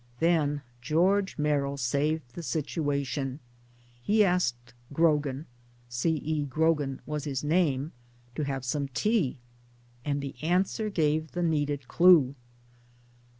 Then George Merrill saved the situation. He asked Grog^an (C. E. Grogan was his name) to have some tea ; and the answer gave the needed clue.